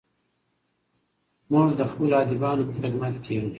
موږ د خپلو ادیبانو په خدمت کې یو.